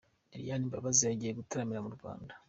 Lilian Mbabazi ugiye gutaramira mu Rwanda.